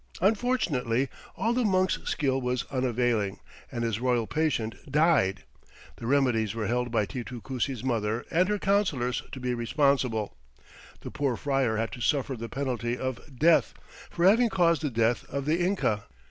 Unfortunately, all the monk's skill was unavailing and his royal patient died. The "remedies" were held by Titu Cusi's mother and her counselors to be responsible. The poor friar had to suffer the penalty of death "for having caused the death of the Inca."